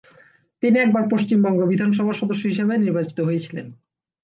তিনি একবার পশ্চিমবঙ্গ বিধানসভার সদস্য হিসেবে নির্বাচিত হয়েছিলেন।